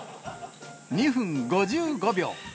２分５５秒。